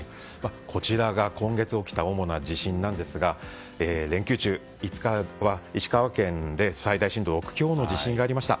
こちらが今月起きた主な地震なんですが連休中、５日は石川県で最大震度６強の地震がありました。